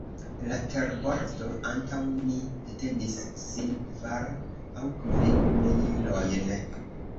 La terbordo antaŭ ni etendis sin kvar aŭ kvin mejlojn.